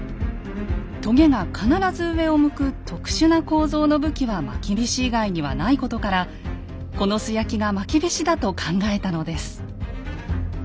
とげが必ず上を向く特殊な構造の武器はまきびし以外にはないことからこの素焼きがまきびしだと考えたのです。